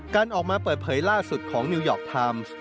การออกมาเปิดเผยล่าสุดของนิวยอร์กไทม์